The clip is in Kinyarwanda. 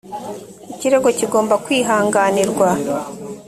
ikirego kigomba kwihanganirwa.